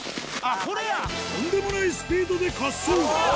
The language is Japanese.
とんでもないスピードで滑走これや！